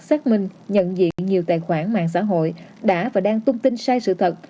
xác minh nhận diện nhiều tài khoản mạng xã hội đã và đang tung tin sai sự thật